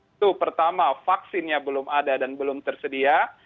itu pertama vaksinnya belum ada dan belum tersedia